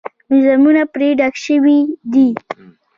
موزیمونه پرې ډک شوي دي.